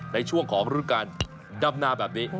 ในช่วงของฤดูการดำนาแบบนี้